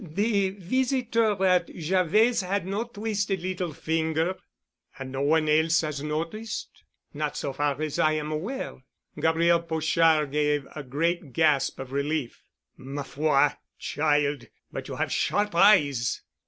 The visitor at Javet's had no twisted little finger." "And no one else has noticed?" "Not so far as I am aware." Gabriel Pochard gave a great gasp of relief. "Ma foi, child, but you have sharp eyes!"